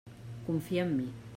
Confia en mi.